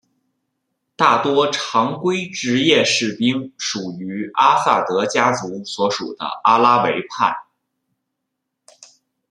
大多常规职业士兵属于阿萨德家族所属的阿拉维派。